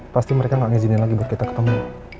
pasti mereka gak ngizinin lagi buat kita ketemu